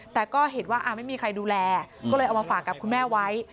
แต่ก็เห็นว่าไม่มีใครดูแลก็เลยเอามาฝากกับคุณแม่ไว้